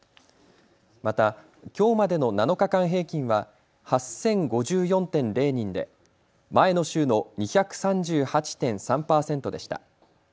また、きょうまでの７日間平均は８０５４．０人で前の週の２３８．３％でした。